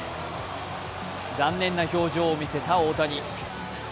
残念な表情を見せた大谷。